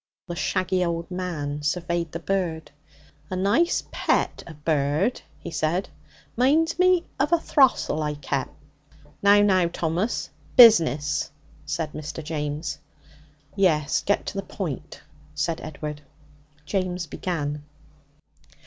The shaggy old man surveyed the bird. 'A nice pet, a bird,' he said. 'Minds me of a throstle I kep' 'Now, now, Thomas! Business!' said Mr. James. 'Yes. Get to the point,' said Edward. James began.